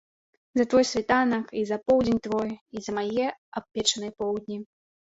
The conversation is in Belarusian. За твой світанак, і за поўдзень твой, і за мае абпечаныя поўдні.